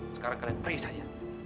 saya orang batu